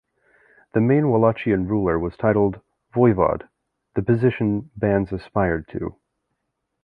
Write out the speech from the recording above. The main Wallachian ruler was titled voivod, the position bans aspired to.